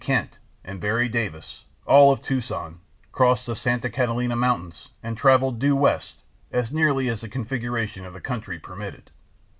Kent and Berry Davis, all of Tucson, crossed the Santa Catalina mountains and traveled due west, as nearly as the configuration of the country permitted.